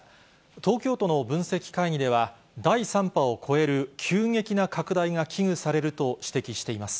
東京都の分析会議では、第３波を超える急激な拡大が危惧されると指摘しています。